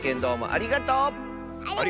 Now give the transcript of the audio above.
ありがとう！